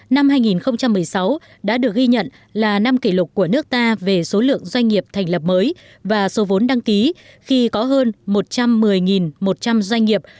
năm hai nghìn một mươi sáu đã được ghi nhận là năm kỷ lục của nước ta về số lượng doanh nghiệp thành lập mới và số vốn đăng ký khi có hơn một trăm một mươi một trăm linh doanh nghiệp